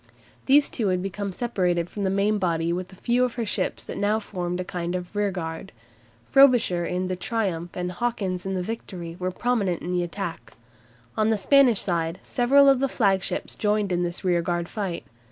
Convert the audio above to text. These two had become separated from the main body with a few of her ships that now formed a kind of rearguard. Frobisher in the "Triumph" and Hawkins in the "Victory" were prominent in the attack. On the Spanish side several of the flagships joined in this rearguard fight.